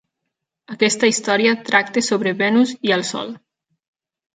Aquesta història tracta sobre Venus i el sol.